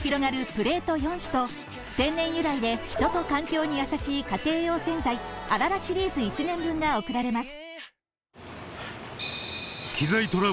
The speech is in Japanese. プレート４種と天然由来で人と環境に優しい家庭用洗剤ＡＬＡＬＡシリーズ１年分が贈られます